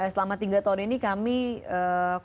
selama tiga tahun ini kami konsisten di media sosial